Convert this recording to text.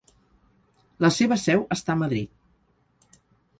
La seva seu està a Madrid.